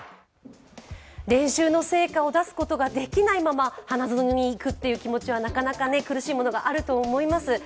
練習の成果を出すことができないまま花園に行くという気持ちはなかなか苦しいものがあると思います。